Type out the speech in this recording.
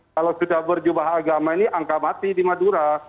kalau sudah berjubah agama ini angka mati di madura